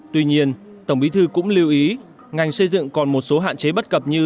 tuy nhiên tổng bí thư cũng lưu ý ngành xây dựng còn một số hạn chế bất cập như